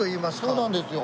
そうなんですよ。